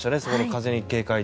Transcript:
風に警戒と。